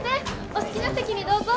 お好きな席にどうぞ。